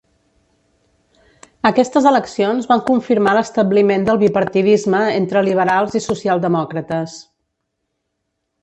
Aquestes eleccions van confirmar l'establiment del bipartidisme entre liberals i socialdemòcrates.